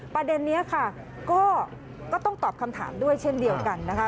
ประเด็นนี้ค่ะก็ต้องตอบคำถามด้วยเช่นเดียวกันนะคะ